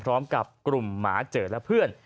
พร้อมกับกลุ่มหมาเจอและเพื่อน